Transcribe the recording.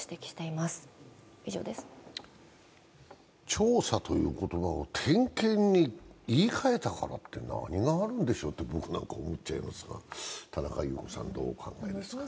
「調査」という言葉を「点検」に言い換えたからって何があるんでしょうと僕なんか思っちゃいますが、田中さんどうお考えですか？